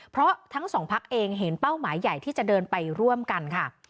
เพราะทั้งสองพักเองเห็นเป้าหมายใหญ่ที่จะเดินไปร่วมกันค่ะ